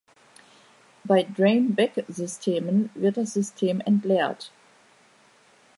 Bei Drain-Back-Systemen wird das System entleert.